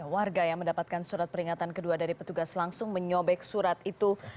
warga yang mendapatkan surat peringatan kedua dari petugas langsung menyobek surat itu